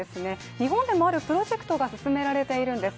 日本でもあるプロジェクトが進められているんです。